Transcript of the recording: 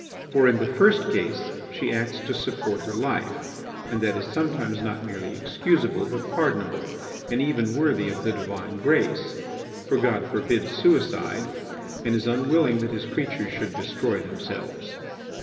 For, in the first case she acts to support her life, and that is sometimes not merely excusable but pardonable, and even worthy of the Divine Grace, for God forbids suicide, and is unwilling that his creatures should destroy themselves.